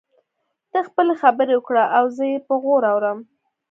ته خپلې خبرې وکړه او زه يې په غور اورم.